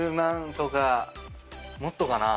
もっとかな？